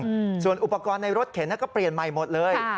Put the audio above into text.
อืมส่วนอุปกรณ์ในรถเข็นเนี้ยก็เปลี่ยนใหม่หมดเลยค่ะ